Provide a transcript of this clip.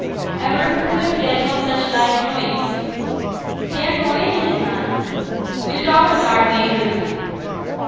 'A were a fool to tell him o' such like doings, they're noane i' his line; we'll talk on yard measures now.